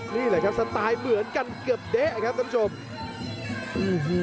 นี่แหละครับสไตล์เหมือนกันเกือบเด๊ะครับท่านผู้ชมโอ้โห